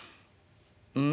うん？」。